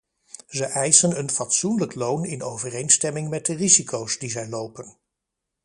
Ze eisen een fatsoenlijk loon in overeenstemming met de risico's die zij lopen.